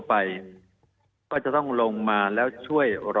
มีความรู้สึกว่ามีความรู้สึกว่า